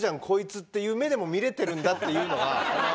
こいつっていう目でも見れてるんだっていうのが。